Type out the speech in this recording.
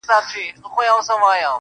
بس ده ه د غزل الف و با مي کړه.